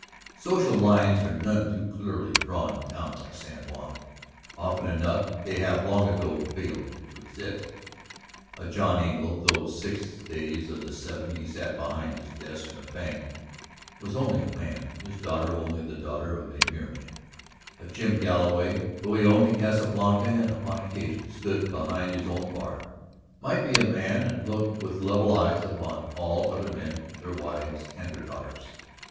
Social lines are none too clearly drawn in towns like San Juan; often enough they have long ago failed to exist. A John Engle, though six days of the seven he sat behind his desk in a bank, was only a man, his daughter only the daughter of a mere man; a Jim Galloway, though he owned the Casa Blanca and upon occasion stood behind his own bar, might be a man and look with level eyes upon all other men, their wives, and their daughters.